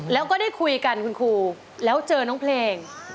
แล้วก็ได้คุยกันคุณครูแล้วเจอน้องเพลง